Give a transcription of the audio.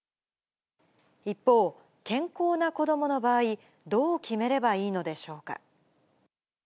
一方、健康な子どもの場合、どう決めればいいのでしょうか。